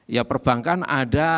ya perbankan ada